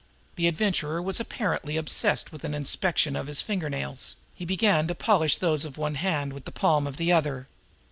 The Adventurer was apparently obsessed with an inspection of his finger nails; he began to polish those of one hand with the palm of the other.